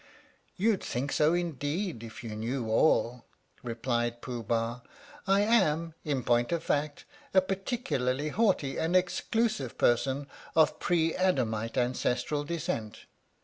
" "You'd think so indeed if you knew all," replied Pooh Bah. " I am, in point of fact, a particularly haughty and exclusive person of pre Adamite ancestral descent.